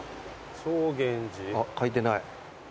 あっ書いてない。